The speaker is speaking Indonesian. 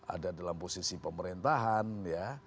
ada dalam posisi pemerintahan ya